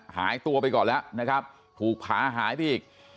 หายตัวไปก่อนแล้วนะครับถูกผาหายไปอีก